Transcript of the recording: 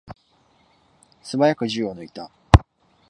すばやく銃を抜いた。